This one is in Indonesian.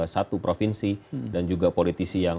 satu provinsi dan juga politisi yang